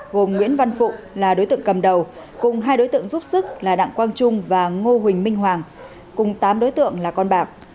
gồm nguyễn văn phụ là đối tượng cầm đầu cùng hai đối tượng giúp sức là đặng quang trung và ngô huỳnh minh hoàng cùng tám đối tượng là con bạc